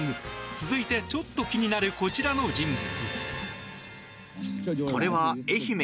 続いてちょっと気になるこちらの人物。